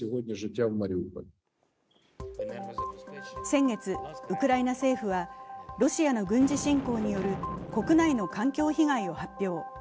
先月、ウクライナ政府はロシアの軍事侵攻による国内の環境被害を発表。